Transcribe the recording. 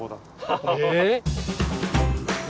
えっ！？